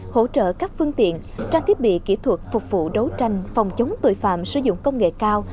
hỗ trợ các phương tiện trang thiết bị kỹ thuật phục vụ đấu tranh phòng chống tội phạm sử dụng công nghệ cao